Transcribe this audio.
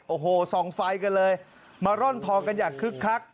โอ้โหส่องไฟกันเลยมาร่อนทองกันอย่างคึกคัก